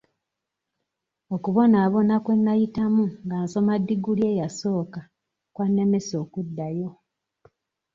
Okubonaabona kwe nayitamu nga nsoma ddiguli eyasooka kwannemesa okuddayo.